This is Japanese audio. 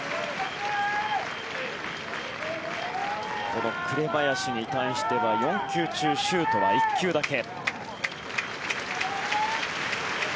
この紅林に対しては４球中、シュートは１球だけ。